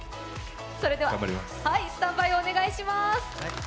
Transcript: それではスタンバイをお願いします。